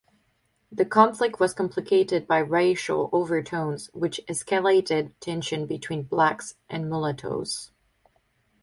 The conflict was complicated by racial overtones which escalated tension between blacks and mulattoes.